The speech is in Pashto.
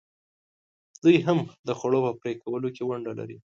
دوی هم د خوړو په پرې کولو کې ونډه لري.